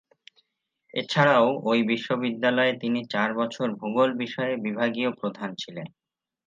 এছাড়াও ঐ বিশ্ববিদ্যালয়ে তিনি চার বছর ভূগোল বিষয়ের বিভাগীয় প্রধান ছিলেন।